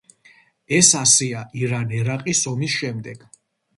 ეს ასეა ირან-ერაყის ომის შემდეგ.